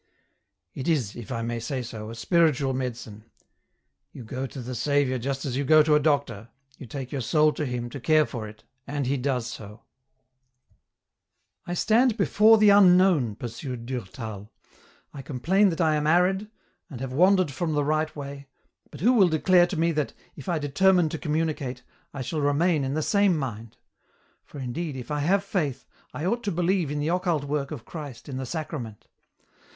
It is, if I may say so, a spiritual medicine ; you go to the Saviour just as you go to a doctor, you take your soul to Him to care for it, and He does so !'" I stand before ths unknown," pursued Durtal, '' I com plain that 1 am arid, and have wandered from the right way, but who will declare to me that, if I determine to communi cate, I shall remain in the same mind ; for indeed, if I have Faith, I ought to believe in the occult work of Christ in the Sacrament.